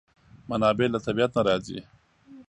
منابع له طبیعت نه راځي.